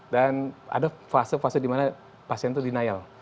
dan ada fase fase dimana pasien tuh denial